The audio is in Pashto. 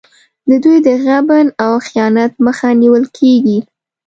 د دوی د غبن او خیانت مخه نیول کېږي.